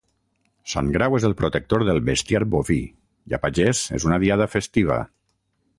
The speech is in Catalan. Sant Grau és el protector del bestiar boví i, a pagès és una diada festiva.